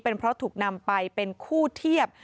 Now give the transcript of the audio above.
เพราะถูกนำไปเป็นคู่เทียบ